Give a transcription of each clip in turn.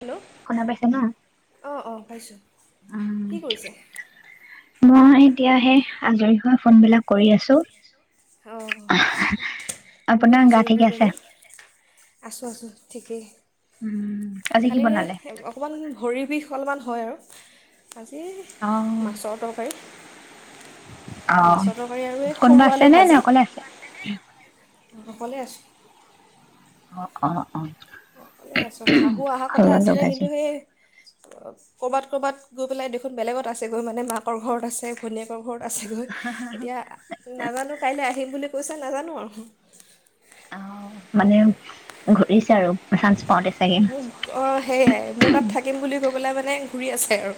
Hello শুনা পাইছে ন অঁ অঁ পাইছোঁ কি কৰিছে? উ মই এতিয়াহে আজৰি হৈ ফোন বিলাক কৰি আছো। অ মইয়ো আপোনাৰ গা আজৰি হৈ ঠিকে আছে? ললো। আছোঁ আছোঁ ঠিকেই উম, আজি কি খালি বনালে? অকমান ভৰিৰ বিষ অলপমান হয় আৰু আজি, অ, মাছৰ তৰকাৰী। অ মাছৰ তৰকাৰী আৰু এই সৰু কোনোবা আছে আলু নে নে ভাজি অকলে আছে? অকলে আছোঁ। অ অ অ অকলে আছো শাহু আহাৰ সৰু কথা আলু আছিলে, ভাজি। কিন্তু সেই কৰবাত কৰবাত গৈ পেলাই দেখোন বেলেগত আছে গৈ মানে মাকৰ ঘৰত আছে ভনীয়েকৰ ঘৰত আছেগৈ এতিয়া নাজানো কাইলৈ আহিম বুলি গৈছে নাজানো আৰু। অ মানে ঘূৰিছে আৰু চান্স পাওঁতে চাগে। অ সেইয়াই মোৰ তাত থাকিম বুলি কৈ [unintelligible] মানে ঘূৰি আছে আৰু।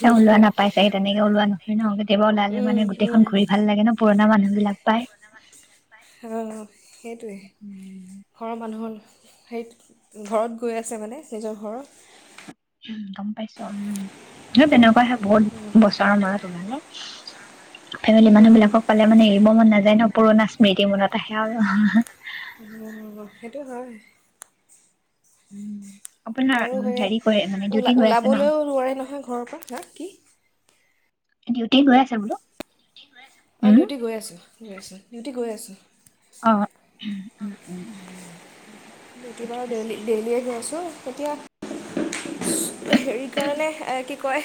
তেওঁ ওলোৱা নাপাই চাগে তেনেকে ওলোৱা নহয় ন। কেতিয়াবা ওলালে উম মানে উম গোটেইখন ঘূৰি ভাল লাগে ন। পুৰণা মানুহ বিলাক পায় অ', সেইটোৱে উম, ঘৰৰ মানুহৰ হেই ঘৰত গৈ আছে মানে নিজৰ ঘৰৰ উম গম পাইছ, উম [unintelligible] নেকুৱা হে বহুত বছৰ মূৰত ওলালে। ফেমিলি মানুহ উম বিলাকক পালে মানে এৰিব মন না নাজানো পুৰণা স্মৃতি মনত আহে আৰু। সেইটো হয়। উম আপোনাৰ আৰু সেয়া হেৰি কৰে মানে ডিউটি গৈ আছে ন? ওলা-ওলাবলৈও নোৱাৰে নহয় ঘৰৰ পৰা হা, কি? ডিউটি গৈ আছে বুলু? অ ডিউটি গৈ আছো। ঐ আছো, ডিউটি গৈ আছোঁ। অ উম উম উম ডিউটি ঠিকে বাৰু আছে। ডেইলি -ডেইলিয়ে গৈ আছু। তেতিয়া। হেৰি কাৰণে কি কয়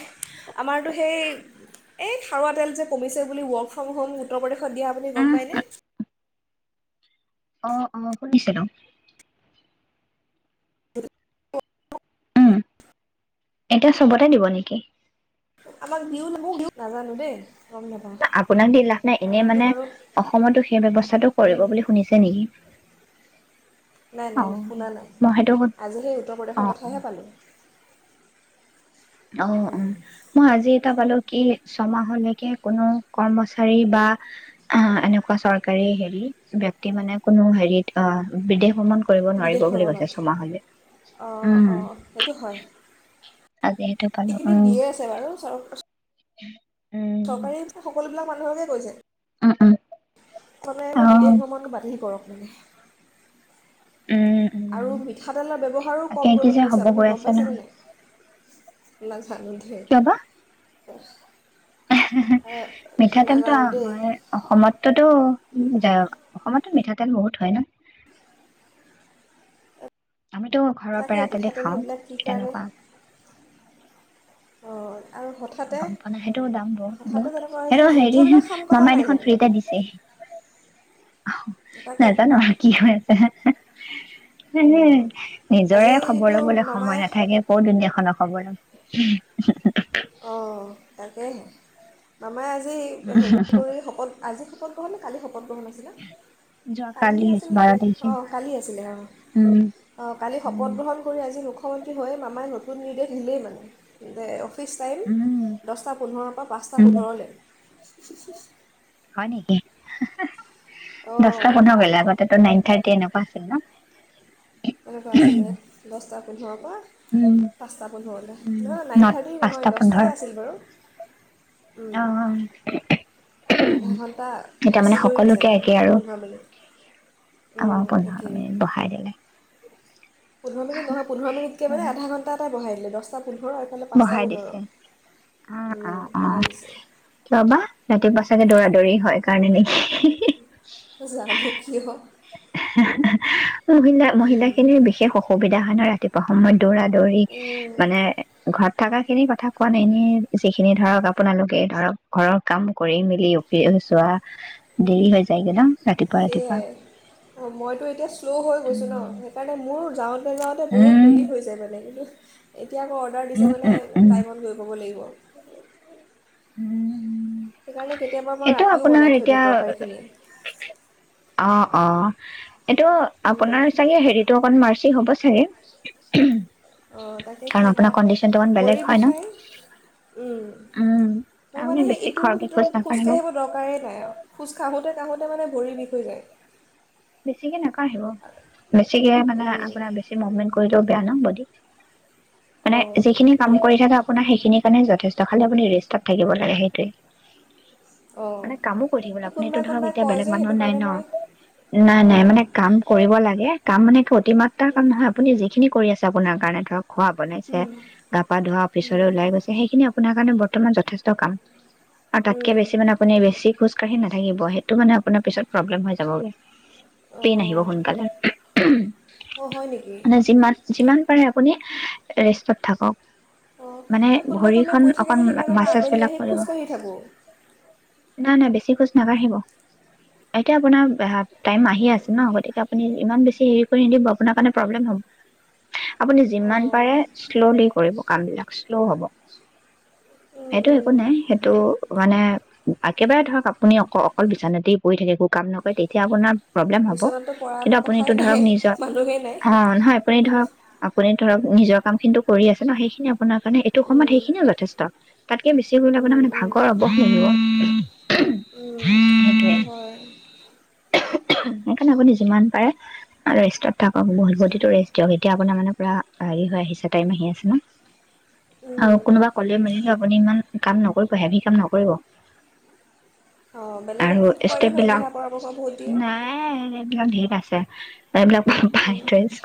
আমাৰতো সেই এই খাৰুৱা তেল যে কমিছে বুলি ৱৰ্ক ফ্ৰম হোম উত্তৰ প্ৰদেশত দিয়া বুলি উম গম পায়নে? অ' অ' শুনিছিলোঁ। উম এতিয়া চবতে নিব নেকি? আমাৰ [unintelligible] নাজানো দে। আপোনাক দি লাভ নাই, এনেই মানে বাৰু অসমতো সেই ব্যৱস্থাটো কৰিব বুলি শুনিছে নেকি, নাই নাই নাই অ', শুনা নাই মই সেইটো, অ', আজি সেই উত্তৰ প্ৰদেশৰ অ'। কথাহে পালোঁ অ অ মই আজি এটা পালো কি ছমাহলৈকে কোনো কৰ্মচাৰী বা অ এনেকুৱা চৰকাৰী হেৰি ব্যক্তি মানে কোনো হেৰিত অ বিদেশ ভ্ৰমণ কৰিব বিদেশ নোৱাৰিব বুলি কৈছে ভ্ৰমণত ছমাহলে অঁ উম। অঁ সেইটো হয় আজি সেইটো পালো এইকেইদিন উম। দিয়ে আছে বাৰু [unintelligible] চৰকাৰেতো সকলো [unintelligible] মানুহকে কৈছে। উম উম কলে হেনো অহ। বিদেশ ভ্ৰমণটো বাতিল কৰক। মানে উম উম। আৰু মিঠাতেলৰ ব্যৱহাৰো তাকে কম কি কৰিবলৈ যে দিছে, হ'ব আপুনি গৈ গম আছে পাইছেনে নহয় নাই? [unintelligible] কিয় বা? [unintelligible] মিঠাতেলটো নাজানো দেই আমাৰ অসমততো-অসমতো মিঠাতেল [unintelligible] আমিতো ঘৰৰ পেৰা তাকেইতো তেলে মিঠাতেল খাওঁ, সেইবিলাক কি কাৰণে তেনেকুৱা। অঁ আৰু গম হঠাতে পোৱা নাই সেইটো দাম কথাটো বহুত-বহুত তেনেকুৱা বাঢ়িছে, হৈছে সেই হেৰি, যুদ্ধবিলাক শাম কটা মামাই নাই দেখোন জানো ফ্ৰীতে দিছেই [unintelligible] তাকেতো নাজানো আৰু কি হৈ আছে অঁ নিজৰে আজিতো খবৰ লবলৈ মামাই সময় নাথাকে, ক'ৰ দুুনীয়াখনৰ খবৰ লম। [unintelligible] অ', তাকেহে, মামাই আজি [unintelligible] [unintelligible] শপত গ্ৰহণ আছিলে, কালি যোৱাকালি হৈছে আছিল বাৰ নেকি? তাৰিখে অ' কালি আছিলে, অ' উম অ' কালি উম। শপতগ্ৰহণ কৰি আজি মুখ্যমন্ত্ৰী হৈয়ে, মামাই নতুন নিৰ্দেশ দিলেই মানে যে ফ্ৰী ষ্টাইল উম দছটা পোন্ধৰৰ পৰা পাঁচটা উম পোন্ধৰলৈ। [unintelligible] হয় নেকি? অঁ দছটা পোন্ধৰ কৰিলে, আগতেটো নাইন থাৰ্টি তেনেকুৱা আছিল ন? এনেকুৱা আছিলে, দছটা পোন্ধৰৰ পৰা উম, পাঁচটা পোন্ধৰলৈ, নহয় ন নাইন থাৰ্টি পাঁচটা নহয়, পোন্ধৰ দছটাই আছিল বাৰু। অ' আধা ঘণ্টা এতিয়া মানে বেছি কৰি দিছে সকলোকে মানে, একে আৰু পোন্ধৰ অ পোন্ধৰ মিনিটকে মিনিট বঢ়াই দিলে পোন্ধৰ মিনিট নহয়, পোন্ধৰ মিনটকে মানে আধা ঘণ্টা এটা বহাই দিলে। দচটাত বহাই দিছে, অ', অ', বঢ়াই অ', দিছে ৰ'বা ৰাতিপুৱা চা চাগে দৌৰা দৌৰি হয় কাৰণে নেকি জানো কিয় মহিলা, মহিলা খিনিৰ বিশেষ অসুবিধা হয় ন ৰাতিপুৱা সময়ত দৌৰা-দৌৰি মানে ঘ ঘৰত থকা খিনি কথা কোৱা নাই, এনে যিখিনি ধৰক আপোনালোকে ধৰক ঘৰৰ কাম কৰি মেলি অফিচ যোৱা দেৰি হৈ যায় গে ন, ৰাতিপুৱা ৰাতিপুৱা অ, মইতো এতিয়া শ্ল' হৈ গৈছোঁ ন, সেইকাৰণে মোৰ যাওঁ তে যাওঁতে, বহুত উম দেৰি হৈ যায় মানে, কিন্তু এ এতিয়া আকৌ অৰ্ডাৰ উম, দিছে মানে, উম, উম, টাইমত গৈ পাব লাগিব। উম। সেইকাৰণে কেতিয়াবা মই সেইটো ৰাতিও আপোনাৰ বনাই থৈ এতিয়া দিওঁ তৰকাৰীখিনি অ, অ। এইটো আপোনাৰ চাগে হেৰিটো অকন মাৰ্চি হ'ব চাগে। অ', তাকে কাৰণ কিবা, আপোনাৰ কণ্ডিচনটো অকণ বেলেগ ভৰি হয় ন? বিষাই উম, উম, মোৰ আপুনি মানে সেই বেছি ইটোৰ খৰকে খোজ ভিতৰত নাকাঢ়িব খোজকাঢ়িব দৰকাৰেই নাই আৰু খোজ কাঢ়োঁতে কাঢ়োতে মানে ভৰিৰ বিষ হৈ যায়। বেছিকে নকঢ়িব, বেছিকে মানে উম, আপোনাৰ বেছি মুভমেন্ট কৰি ও বেয়া ন, বডীত। মানে অঁ যিখিনি কাম সেইটো কৰি হয় থাকে আপোনাৰ সেইখিনি কাৰণে জ যথেষ্ট, খালী আপুনি ৰেষ্টত থাকিব লাগে, সেইটোৱেই। মানে কামো কৰি থাকিবলে, অঁ এই আপুনি এইটো কোনোবাই ধৰক কোনোবাই এতিয়া কয় বেলেগ যে মানুহো সেইটো নাই কাৰণে ন মই নাই, নাই অঁ মানে কাম কৰিব লাগে এ কাম মানে অতিমাত্ৰাৰ কাম নহয়, আপুনি যেইখিনি কৰি আছে আপোনাৰ কাৰণে, ধৰক খোৱা বনাইছে, উম, গা-পা ধোৱা, উম, অফিচলৈ ওলাই গৈছে, সেইখিনি আপোনাৰ কাৰণে ব বৰ্তমান যথেষ্ট কাম। আৰু তাতকে উম, বেছি মানে আপুনি বেছি খোজকাঢ়ি না থাকিব সেইটো মানে আপোনাৰ পিছত প্ৰব্লেম হৈ যাবগৈ পেইন আহিব অঁ সোনকালে। অঁ হয় নেকি মানে যিমান, যিমান পাৰে আপুনি ৰেষ্টত থাকক। অঁ, মানে কোনোবাই কোনোবাই ভৰিখন কৈ থাকে অকন যে সেইকাৰণে মই মাছাজ আবেলি বিলাক আহি কৰিব খোজকাঢ়ি থাকোঁ। নাই নাই বেছি খোজ নাকাঢ়িব এতিয়া আপোনাৰ টাইম আহি আছে ন গতিকে আপুনি ইমান বেছি হেৰি কৰি নিদিব আপোনাৰ কাৰে প্ৰব্লেম হ'ব আপুনি যিমান অঁ পাৰে শ্ল'লি কৰিব, কাম বিলাক। শ্ল' হ'ব। উম, সেইটো উম, একো নাই, সেইটো মানে একেবাৰে ধৰক, আপুনি অক, অকল বিচনাতেই পৰি থাকে। একো কাম এতিয়া আপোনাৰ প্ৰব্লেম হ'ব বিচনাততো কিন্তু পৰাটো কথাই আপুনিতটো ধৰক নাই নিজৰ মানুহেই নাই অ নহয় আপুনি অঁ ধৰক আপুনি ধৰ কামখিনিতো কৰি আছে ন, সেইখিনি আপোনাক মানে এইটো সময়ত উম, সেইখিনিয়ো যথেষ্ট। তাতকে বেছি শুলে মানে, উম, মানে উম, ভাগৰ অৱস লাগিব। [inaudible] উম, সেইটোৱে সেইটো হয়। সেইকাৰণে আপুনি যিমান পাৰে ৰেষ্টত থাকক বহুতটো ৰেষ্ট দিয়ক এতিয়া আপোনাৰ মানে পুৰা হেৰি হৈ আহিছে টাইম আহি আছে ন আৰু উম, কোনোবা ক'লে মেলিলে, আপুনি ইমান কাম নকৰিব, হেভি কাম নকৰিব। অ', বেলেগে আৰু খুব কয় ষ্টেপ নহয়, বিলাক দিহা পৰা নাই, এইবিলাক ধে [unintelligible] এইবিলাক পাই থছো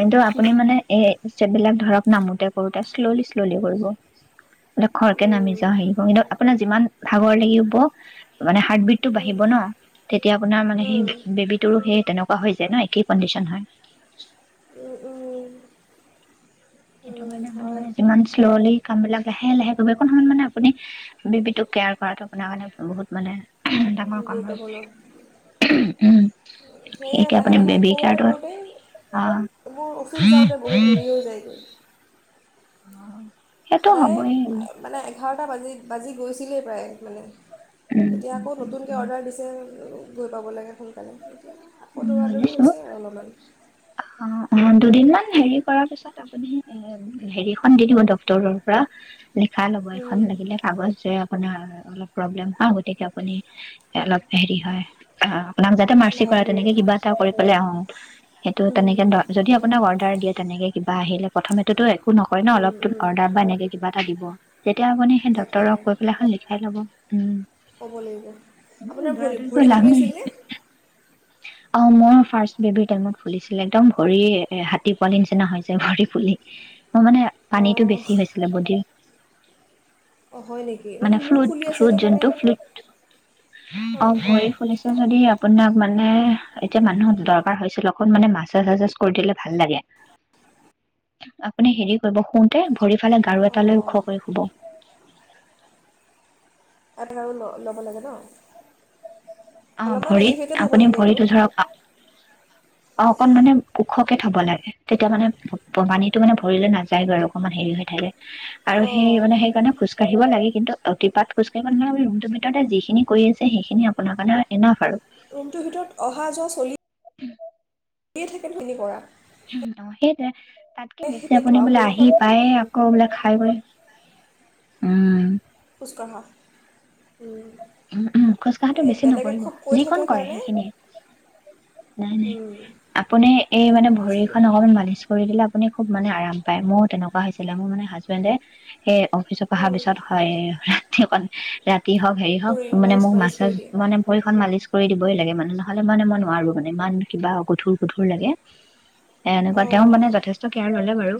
কিন্তু আপুনি মানে এই [unintelligible] বিলাক ধৰক নামোতে কৰোঁতে শ্ল'লি শ্ল'লি কৰিব। মানে খৰকে নামি উম, যাওঁ, হেৰি কৰো, কিন্তু আপোনাৰ যিমান ভাগৰ লাগিব মানে হাৰ্ট বিটটো উম, বাঢ়িব ন? তেতিয়া আপোনাৰ মানে উম, সেই, বেবীটোৰো সেই তেনেকু োৱা হৈ যায় ন কি কণ্ডিশন হয় উ উ সেইটো কাৰণে, আপুনি মানে, যিমান শ্ল'লী কাম বিলাক, লাহে লাহে সময় মানে আপুনি বেবটোক কেয়াৰ কৰাটো আপোনাৰ কাৰণে বহুত মানে ডাঙৰ কাম হৈ গোৰোত্বফলত উম, সেয়ে সেইটো লাহে আপুনি লাহে বেবী কৰোঁতে কাৰ্ডত কৰোঁতে অ', মোৰ অফিচ যাওঁতে বহুত দেৰি হৈ যায়গৈ অ সেইটো সদায় হ'বই মানে এঘাৰটা বাজি-বাজি গৈছিলেই প্ৰায় মানে। উম, এতিয়া উম, আকৌ উম, নতুনকৈ উম, অৰ্ডাৰ দিছে, উ গৈ পাব লাগে সোনকালে। আকৌ দৌৰা দৌৰি হৈছে আৰু অলপমান। অ-অ দুদিনমান হেৰি কৰাৰ পিছত আপুনি এ, হেৰিখন দি দিব ডক্তৰৰ পৰা। লিখা ল'ব এখন উম, লাগিলে কাগজ যে আপোনাৰ অলপ প্ৰব্লেম [unintelligible] গতিকে আপুনি অলপ হেৰি হয়। অ', আপোনাক যাতে মাৰ্চি লাহে কৰা। ধীৰে তেনেকে কিবা এটা কৰি পেলাই অ। উম, তেনেকে ধৰ যদি আপোনাক অৰ্ডাৰ দিয়ে তেনেকে কিবা আহিলে প্ৰথমেটো এক একো নকয় ন উম, অলপটো উম, অৰ্ডাৰ বা এনেকে কিবা এটা দিব। তেতিয়া আপুনি সেই তাকেহে ডক্তৰক কৈ পেলাই [unintelligible] লিখাই ল'ব। উম। ক'ব লাগিব। আপোনাৰ ভৰি-ভৰি ফুলিছিল নে? অ মোৰ ফাৰ্ষ্ট বেবিৰ টাইমত ফুলিছিলে একদম ভৰি হাতী পোৱালি নিচিনা হৈছে ভৰি ফুলি। মোৰ মানে, পানীতটো অঁ বেছি হৈছিলে বডি অঁ হয় নেকি মানে ফ্ল মোৰ ফুলি আছে ফ্লুত সেইটো কাৰণে যোনটো ফ্ অ অঁ অঁ ভৰি ফুলিছে যদি আপোনাক মানে এতিয়া মানুহ দৰকাৰ হৈছিল অকণ মানে মাজাজ চাজাজ কৰি দিলে ভাল লাগে। আপুনি হেৰি কৰিব শুওতে ভৰি ফালে গাৰু এটালৈ ওখ অঁ কৰি শুব। [unintelligible] ল-ল'ব লাগে ন। অ', অলপমান ভৰিত, এলিভেটেড হ'ব আপুনি লাগে আৰু ভৰিতো ধৰক অ', অকন মানে ওখকে থ'ব লাগে। তেতিয়া মানে প্ৰণামীটো মানে ভৰিলে নাযায়গৈ বাৰু অকনমান হেৰি হৈ থাকে। আৰু সেই অঁ মানে সেইকাৰণে খোজকাঢ়িব লাগে কিন্তু অতিপাত খোজ খোজকাঢ়িব [unintelligible] ৰুমটোৰ ভিতৰতে যিখিনি কৰি আছে সেইখিনি আপোনাৰ কাৰণে ইনাফ আৰু। ৰুমটোৰ ভিতৰত অহা যোৱা চলি [unintelligible] [unintelligible] উ অ সেইটোৱে তাক কে এই সেই বেছি তেতিয়া আপুনি বাওঁ বোলে আহি ভৰিখন পায় আকৌ বোলে খাই বৈ উম। [unintelligible] উম, উম, খোজকঢ়াটো এই বেছি বেলেগে নকৰিব। খুব কৈ যিকন থাকে কৰে কাৰণে সেইখিনিয়ে। নাই নাই। উম, আপুনি এই মানে আহিছিলোঁ ভৰিখন অকনমান মালিচ কৰি দিলে আপুনি খুব মানে আৰাম পায় মোৰ তেনেকুৱা হৈছিলে মোৰ মানে হাজবেনণ্ডে সেই অফিচতৰ পা অহা উম, পিছত হয়ে। ৰাতি অকণ, ৰাতি হওঁক, হেৰি কৰি হওঁক মানে মালিচ মোক মালিচ মাছাছ, কৰি দিয়ে মানে ভৰিখন মালিচ কৰি দিবই লাগে মানে নহ'লে মানে মই নোৱাৰো মানে ইমান কিবা গধুৰ গধুৰ লাগে। এ, এনেকুৱা তেওঁ মানে অঁ যথেষ্ট কেয়াৰ ল‌‍‍'লে বাৰু।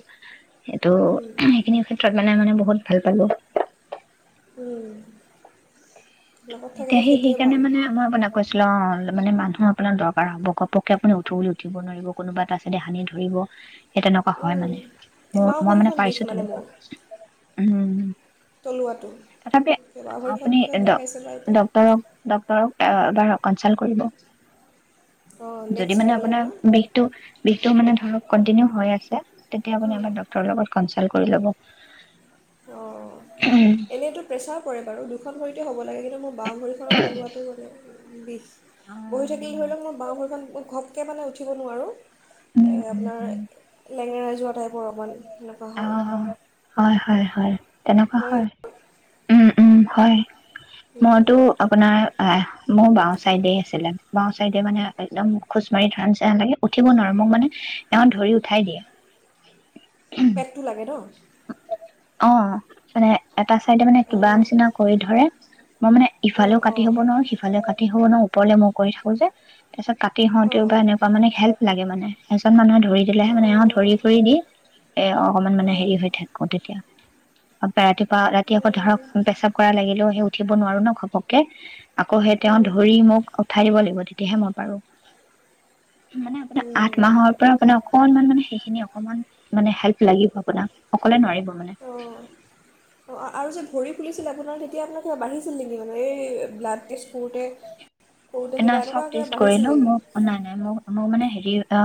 সেইটো উম, সেইখিনি ক্ষেত্ৰত মানে মানে মোক বহুত ভাল পালো উম। লগত থাকিলে এতিয়া, সেই, সেইটোৱে সেইকাৰণে ভাল মানে [unintelligible] ল মানে মানুহ আপোনাৰ দৰকাৰ হব কপককে আপুনি উঠো উঠিব নোৱাৰিব কোনোবা ত আছতে হানি ধৰিবস্ক্স সেই তেনেকুৱা হয় মানে এই মোৰ বাওঁ মই মানে ভৰিখন বিষ পাইছো মোৰ তেনেকুৱা উম তলুৱাটো? কিয়, বাওঁ ভৰিখন কিয় বিষাইছে? বাৰু এতিয়া ডক্টৰক ডক্টৰক বাৰ কনচাল্ট কৰিব অঁ যদি নেক্সট মানে গ'লে আপোনাৰ, মই বিষটো, বিষটো মানে ধৰক কন্টিনিউ হৈ আছে। তেতিয়া আপুনি আমাৰ ড্ৰাগ্টৰৰ লগত কনচেল কৰিলব অ'। এনেটো প্ৰেচাৰ পৰে বাৰু। দু খন কৰি হ'ব লাগে কিন্ত মই বাওঁ ভৰিখনৰ তলোৱাটো বাবে বি বহি থাকিলে, ধৰি লওঁক, মোৰ বাওঁ ভৰিখন, মোৰ ঘপ [unintelligible] মানে উঠিব নোৱাৰোঁ। উম উম আপোনাৰ উম লেঙেৰা যোৱা টাইপৰ অকণমান এনেকুৱা অ হয় হয় হয় হয় তেনেকুৱা হয়। উম উম হয় মইতো আপোনাৰ আহ মোৰ বাওঁ চাইদেই আছিলে। বাওঁ চাইডে মানে, একদম খোচ মাৰি ধৰা নিচিনা লাগে, উঠিব নোৱাৰোঁ। মোক মানে তেওঁ ধৰি উঠাই দিয়ে। পেটটো লাগে ন? অ মানে এটা চাইডে মানে কিবা অঁ নিচিনা কৰি ধৰে মই মানে অঁ ইফালেও কাটি হ'ব নোৱাৰো। সি ইফালে কাটি শ ন ওপৰলে মই কৰি থাকো যে তাৰ পিছত কাটি হওঁতেও অঁ বাা এনেকুৱা মানে হেল্প লাগে মানে এজন মানুহে ধৰি দিলেহে মানে অঁ ধৰি কৰি দি এ অকনমান মানে অঁ হেৰি থাকো তেতিয়া। তাপা ৰাতিপুৱা, ৰাতি অঁ আকৌ ধৰক, পেচাব কৰা লাগিলেও, হে, উঠিব নোৱাৰোঁ ন, ঘপককে। আকৌ হে, তেওঁ ধৰি মোক উঠাই দিব লাগিব, তেতিয়াহে মই পাৰোঁ। মানে আপোনা আঠ মাহৰ পৰা, আপোনাৰ অকনমান, মানে সেইখিনি অকমান, মানে হেল্প লাগিব আপোনাক। অকলে নোৱাৰিব মানে? অ', অ' আৰু যে ভৰি ফুলিছিলে, আপোনাৰ, তেতিয়া আপোনাৰ কিবা বাঢ়িছিল নেকি, মানে? এই ব্লাড টেষ্ট কৰোঁতে কৰোঁতে কিবা নাই এনেকুৱা চব কিবা টেষ্ট বাঢ়িছিল কৰিলো। নেকি মোক, নাই নাই মোক, মোৰ মানে হেৰি অ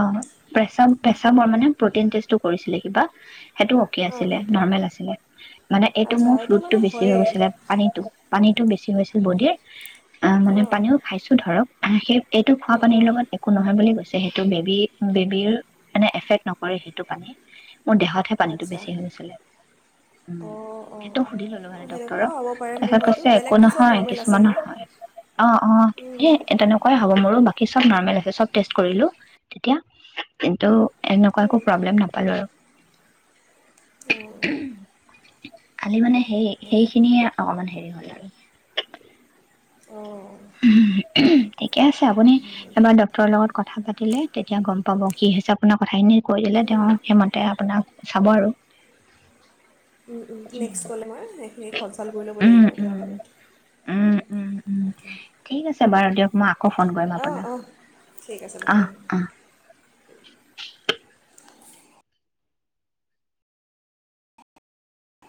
পেচম পেচমৰ মানে প্ৰটিন তেচটো কৰিছিলে কিবা সেইটো অতি অঁ আছিলে নৰ্মেল আছিলে মানে এইটো আচ্ছা মোৰ ফ্লুইটটো মানে বেছি হয়েই গৈছিলে। পানীটো, পানীটো বেছি [unintelligible] বডিৰ আ, মানে অঁ পানীওপ [unintelligible] ধৰক আ, সে এইটো খোৱা অঁ পানীৰ অঁ লগত একো নহয় বুলি কৈছে। যিহেতু বেবী, বেবীৰ মানে এফেক্ট নকৰে, সেইটো পানী মোৰ দেহতহে পানীটো আচ্ছা বেছি হৈছিলে। উম, অঁ অঁ সেইটো সুধি ল'লো আ অঁ সেনেকুৱাও হ'ব ডক্টৰক পাৰে মোৰ তেখেত হয়তো কৈছে একো বেলেগটো চব নহয় নৰ্মেল আছে মোৰ কিছুমানৰ হয়। অ অ ই উম, তেনেকুৱাই হ'ব মোৰো বাকী চব নৰ্মেল আছে। চব টেষ্ট কৰিলো তেতিয়া, কিন্তু এনেকুৱা একো উম, প্ৰব্লেম নাপালো আৰু। অঁ খালি মানে হেই সেইখিনিয়ে অকমান হেৰি হ'ল আৰু। অঁ ঠিকে আছে আপুনি এবাৰ ডক্তৰৰ লগত কথা পাতিলে তেতিয়া গম পাব। কি হৈছে আপোনাক কথাখিনি কৈ দিলে তেওঁ সেইমতে আপোনাক চাব আৰু। উম উম, নেক্সট ক'লে মই সেইখিনি কনচাল্ট কৰি ল'ব উম লাগিব উম তেওঁৰ উম উম লগত। উম। ঠিক আছে বাৰু দিয়ক মই আ আকৌ ফোন কৰিম অঁ আপোনাক। অঁ ঠিক আছে বাৰু অহ অঁ অহ [inaudible]